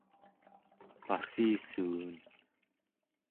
passissuun